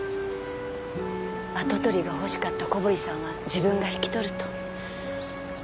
跡取りが欲しかった小堀さんは自分が引き取ると。